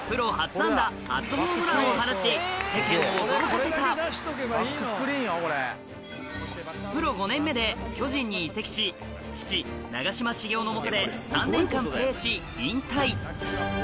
プロを放ち世間を驚かせたプロ５年目で巨人に移籍し父長嶋茂雄のもとで３年間プレーし引退